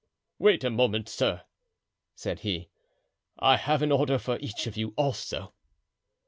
"Wait a moment, sir," said he; "I have an order for each of you also."